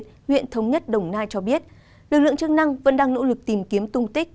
nguyện thống nhất đồng nai cho biết lực lượng chức năng vẫn đang nỗ lực tìm kiếm tung tích